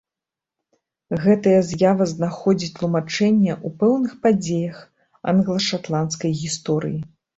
Гэтая з'ява знаходзіць тлумачэнне ў пэўных падзеях англа-шатландскай гісторыі.